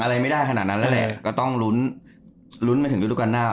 อะไรไม่ได้ขนาดนั้นแล้วแหละก็ต้องลุ้นลุ้นไปถึงฤดูการหน้า